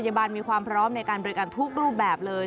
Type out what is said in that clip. พยาบาลมีความพร้อมในการบริการทุกรูปแบบเลย